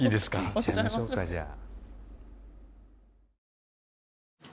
いっちゃいましょうかじゃあ。